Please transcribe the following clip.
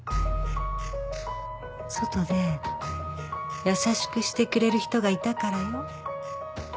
外で優しくしてくれる人がいたからよ。